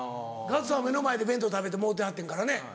ガッツさんは目の前で弁当食べてもろうてはってんからね。